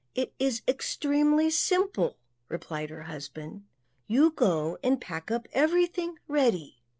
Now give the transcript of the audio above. "It is extremely simple," replied her husband; "you go and pack up everything ready."